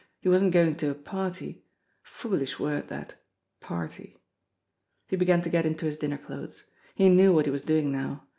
He wasn't going to a party ! Foolish word that party ! He began to get into his dinner clothes. He knew what he was doing now.